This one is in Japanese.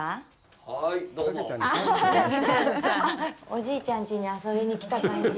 おじいちゃんちに遊びに来た感じ。